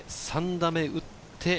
３打目打って。